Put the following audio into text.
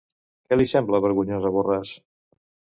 Què li sembla vergonyós a Borràs?